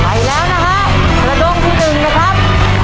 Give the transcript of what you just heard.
ไปแล้วนะฮะกระด้งที่หนึ่งนะครับ